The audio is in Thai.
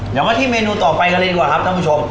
เดี๋ยวมาที่เมนูต่อไปกันเลยดีกว่าครับท่านผู้ชม